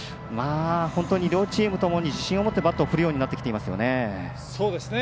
本当に両チームともに自信を持ってバットを振るようになってきていますよね。